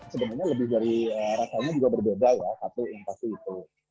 sebenarnya rasanya juga berbeda ya satu yang pasti itu